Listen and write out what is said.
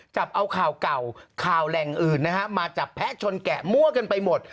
จับเอาข่าวเก่าข่าวแหล่งอื่นนะฮะมาจับแพะชนแกะมั่วกันไปหมด